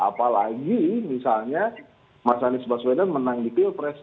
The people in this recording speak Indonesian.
apalagi misalnya mas anies baswedan menang di pilpres